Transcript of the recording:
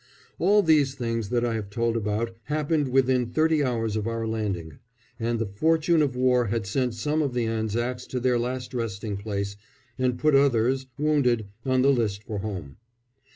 All these things that I have told about happened within thirty hours of our landing and the fortune of war had sent some of the Anzacs to their last resting place and put others, wounded, on the list for home.